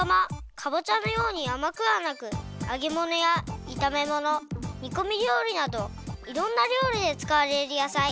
かぼちゃのようにあまくはなくあげものやいためものにこみりょうりなどいろんなりょうりでつかわれるやさい。